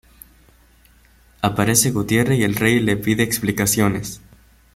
Aparece Gutierre y el rey le pide explicaciones.